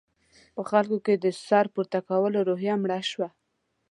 په خلکو کې د سر پورته کولو روحیه مړه شوه.